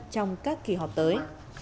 trong các kỳ họp tới